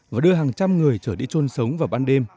và đưa hàng trăm người trở đi trôn sống vào ban đêm